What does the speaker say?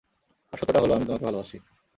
আর সত্যটা হলো, আমি তোমাকে ভালবাসি।